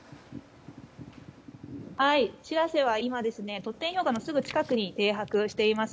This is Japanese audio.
「しらせ」は今トッテン氷河のすぐ近くに停泊しています。